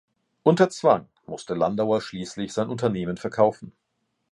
Unter Zwang musste Landauer schließlich sein Unternehmen verkaufen.